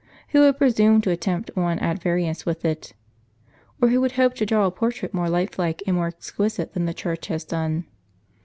Who would presume to attempt one at variance with it? Or who would hope to draw a portrait more life like and more exquisite than the Church has done